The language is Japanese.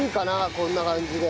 こんな感じで。